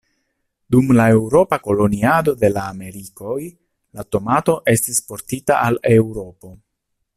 Dum la eŭropa koloniado de la Amerikoj, la tomato estis portita al Eŭropo.